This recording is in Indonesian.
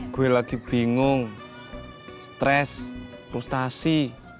gue lagi bingung stres frustasi